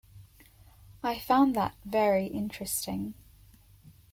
I found that very interesting.